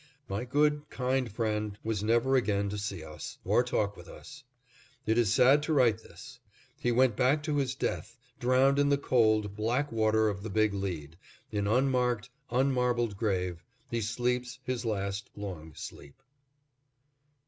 My good, kind friend was never again to see us, or talk with us. It is sad to write this. He went back to his death, drowned in the cold, black water of the Big Lead. In unmarked, unmarbled grave, he sleeps his last, long sleep.